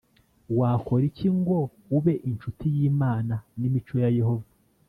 Wakora iki ngo ube incuti y’Imana n’Imico ya Yehova